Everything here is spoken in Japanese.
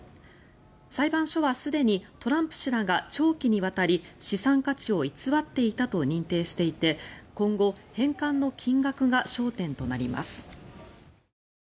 裁判所はすでにトランプ氏らが長期にわたり資産価値を偽っていたと認定していて今後、返還の金額が焦点となります。